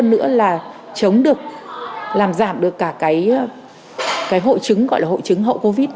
còn một phần nữa là chống được làm giảm được cả cái hội chứng gọi là hội chứng hậu covid